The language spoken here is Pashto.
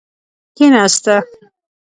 کیناسته.